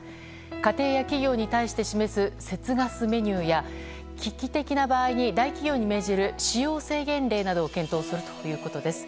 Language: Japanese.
家庭や企業に対して示す節ガスメニューや危機的な場合に、大企業に命じる使用制限令などを検討するということです。